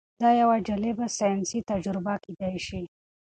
دا یوه جالبه ساینسي تجربه کیدی شي.